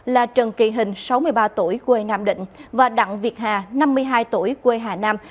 là trần kỳ hình sáu mươi ba tuổi quê nam định và đặng việt hà năm mươi hai tuổi quê hà nam